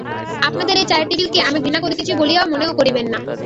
আপনাদের এই চায়ের টেবিলকে আমি ঘৃণা করিতেছি বলিয়া মনেও করিবেন না।